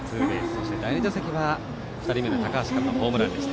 そして第２打席は２人目の高橋からホームラン。